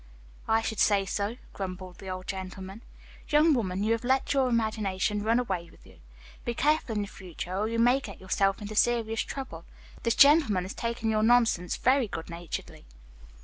"I should say so," grumbled the old gentleman. "Young woman, you have let your imagination run away with you. Be careful in the future or you may get yourself into serious trouble. This gentleman has taken your nonsense very good naturedly."